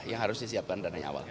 yang harus disiapkan dana awal